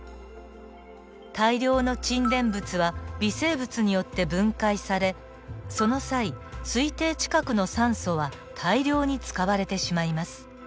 大量の沈殿物は微生物によって分解されその際水底近くの酸素は大量に使われてしまいます。